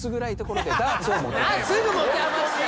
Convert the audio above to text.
すぐ持て余した。